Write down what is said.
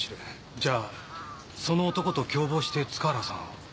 じゃあその男と共謀して塚原さんを？